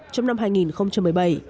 trong năm hai nghìn một mươi bảy